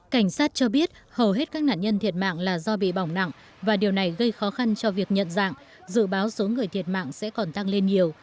cảnh sát cho biết hầu hết các nạn nhân thiệt mạng là do bị bỏng nặng và điều này gây khó khăn cho việc nhận dạng dự báo số người thiệt mạng sẽ còn tăng lên nhiều